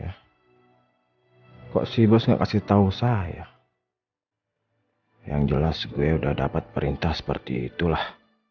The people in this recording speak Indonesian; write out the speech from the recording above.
hai kok sih bos nggak kasih tahu saya yang jelas gue udah dapat perintah seperti itulah